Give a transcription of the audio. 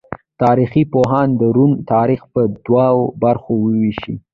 تاریخ پوهان د روم تاریخ په دوو برخو ویشي.